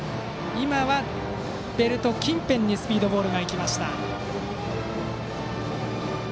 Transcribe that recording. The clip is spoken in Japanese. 今はベルト近辺にスピードボールがいきました。